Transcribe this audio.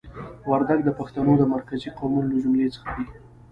وردګ د پښتنو د مرکزي قومونو له جملې څخه دي.